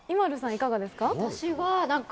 いかがですか？